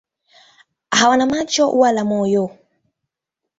Hawana macho wala moyo.